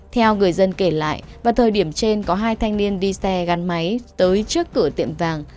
theo người dân kể lại vào thời điểm trên có hai thanh niên đi xe gắn máy tới trước cửa tiệm vàng